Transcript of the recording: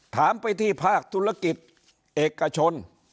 ถามไปที่ภาคธุรกิจเอกชน